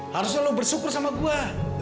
harusnya lo bersyukur sama gue